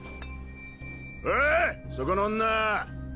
おいそこの女！